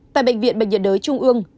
tại bệnh viện bệnh nhiệt đới trung ương